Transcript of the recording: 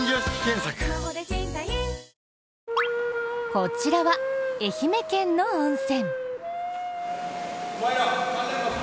こちらは愛媛県の温泉。